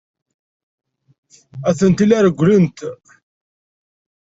Atenti la rewwlent.